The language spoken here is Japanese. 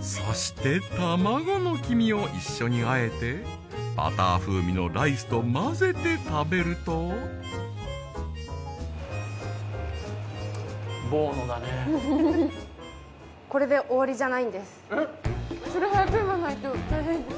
そして卵の黄身を一緒にあえてバター風味のライスと混ぜて食べるとそれ早く言わないとたい平さん。